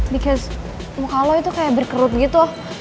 bikin muka lo itu kayak berkerut gitu